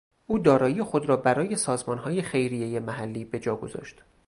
او دارایی خود را برای سازمانهای خیریهی محلی به جای گذاشت.